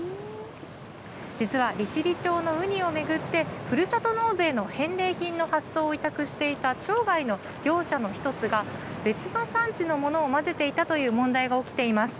実は利尻町のウニを巡って、ふるさと納税の返礼品の発送を委託していた町外の業者の一つが、別の産地のものを混ぜていたという問題が起きています。